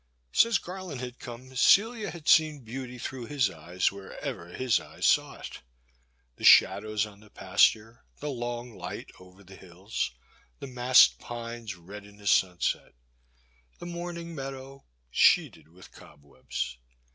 Since Garland had come, Celia had seen beauty through his eyes where ever his eyes saw it ; the shadows on the pasture, the long light over the hills, the massed pines red in the sunset, the morning meadow sheeted with cobwebs.